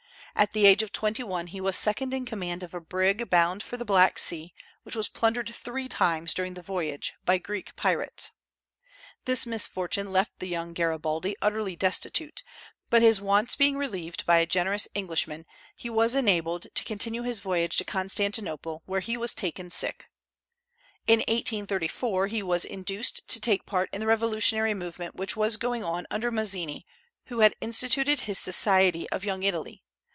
At the age of twenty one he was second in command of a brig bound for the Black Sea, which was plundered three times during the voyage by Greek pirates. This misfortune left the young Garibaldi utterly destitute; but his wants being relieved by a generous Englishman, he was enabled to continue his voyage to Constantinople, where he was taken sick. In 1834 he was induced to take part in the revolutionary movement which was going on under Mazzini, who had instituted his Society of Young Italy.